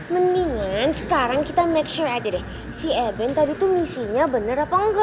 mendingan sekarang kita make sure aja deh si even tadi tuh misinya benar apa enggak